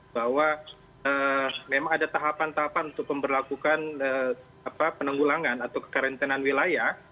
bahwa memang ada tahapan tahapan untuk memperlakukan penanggulangan atau kekarantinaan wilayah